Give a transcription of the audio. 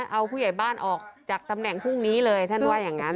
เอาผู้ใหญ่บ้านออกจากตำแหน่งพรุ่งนี้เลยท่านว่าอย่างนั้น